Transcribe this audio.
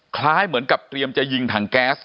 คล้ายเหมือนกับเตรียมจะยิงถังแก๊ส